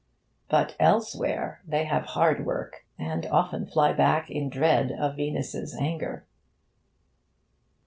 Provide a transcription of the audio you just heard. But elsewhere they have hard work, and often fly back in dread of Venus' anger.